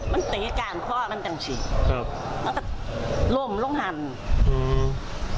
ว่ากับโล่มลงหาล